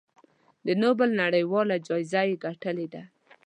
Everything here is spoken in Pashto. د نوبل نړیواله جایزه یې ګټلې ده.